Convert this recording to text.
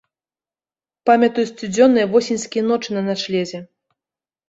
Памятаю сцюдзёныя восеньскія ночы на начлезе.